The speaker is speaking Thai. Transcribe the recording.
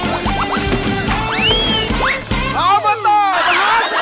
อับอัตเตอร์สงสัย